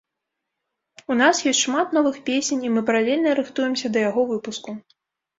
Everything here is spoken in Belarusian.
У нас ёсць шмат новых песень і мы паралельна рыхтуемся да яго выпуску.